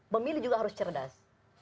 pemilih juga harus cerdas